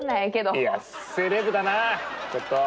いやセレブだなちょっと。